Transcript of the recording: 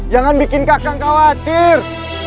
jangan bikin kakak khawatir